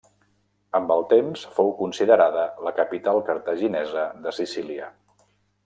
Amb el temps fou considerada la capital cartaginesa de Sicília.